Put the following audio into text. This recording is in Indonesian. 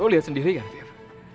lo lihat sendiri kan viv